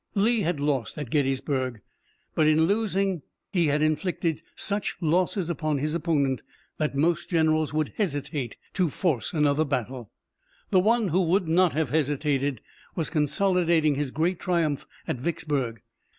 Lee had lost at Gettysburg, but in losing he had inflicted such losses upon his opponent, that most generals would hesitate to force another battle. The one who would not have hesitated was consolidating his great triumph at Vicksburg.